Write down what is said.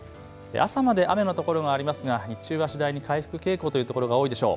朝まで雨の所がありますが日中は次第に回復傾向というところが多いでしょう。